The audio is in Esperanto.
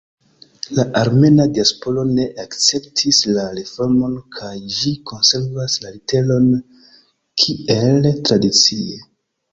La armena diasporo ne akceptis la reformon kaj ĝi konservas la literon kiel tradicie.